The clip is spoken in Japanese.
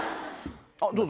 どうぞ！